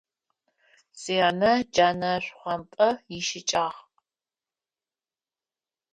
Сянэ джэнэ шхъуантӏэ ищыкӏагъ.